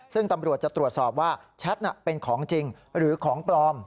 ซึ่งตำรวจจะตรวจสอบว่าแชทเป็นของจริงหรือของปลอม